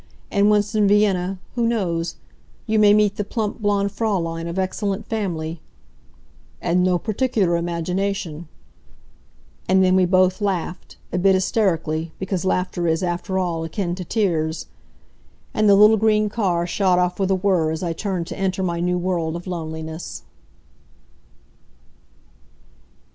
And once in Vienna who knows? you may meet the plump blond Fraulein, of excellent family " "And no particular imagination " And then we both laughed, a bit hysterically, because laughter is, after all, akin to tears. And the little green car shot off with a whir as I turned to enter my new world of loneliness.